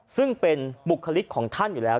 ซึ่งเป็นบุคลิกของท่านอยู่แล้ว